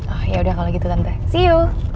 oh ya udah kalau gitu tante see you